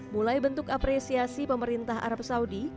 mulai bentuk apresiasi pemerintah arab saudi